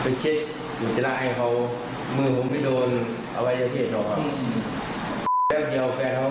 ถ้าเกิดแปลงตัวแฟนเขาต้องตื่นถึงตั้งนาทีคือน่ะปรุงทรุปกี้ไปครับไม่ได้เอาอะไรไปด้วยครับ